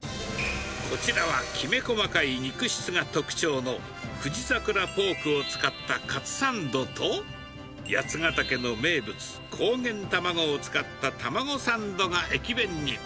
こちらはきめ細かい肉質が特徴のふじさくらポークを使ったカツサンドと、八ヶ岳の名物、こうげん卵を使った卵サンドが駅弁に。